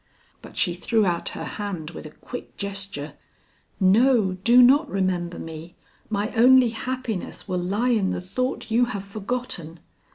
But she threw out her hand with a quick gesture. "No, do not remember me. My only happiness will lie in the thought you have forgotten."